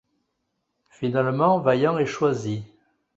Finalement, Vaillant est choisi.